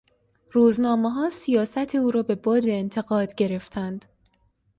روزنامهها سیاست او را به باد انتقاد گرفتند.